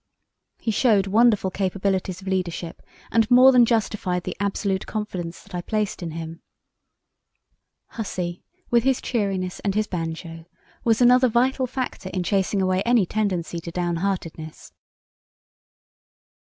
He showed wonderful capabilities of leadership and more than justified the absolute confidence that I placed in him. Hussey, with his cheeriness and his banjo, was another vital factor in chasing away any tendency to downheartedness.